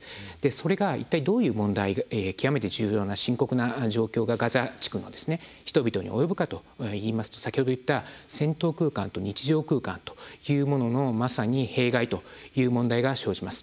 それが一体どういう問題で極めて深刻な状況がガザ地区の人々に及ぶかといいますと先ほど言った戦闘空間と日常空間というもののまさに弊害という問題が生じます。